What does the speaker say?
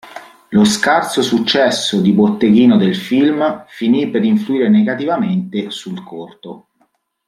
Lo scarso successo di botteghino del film finì per influire negativamente sul corto.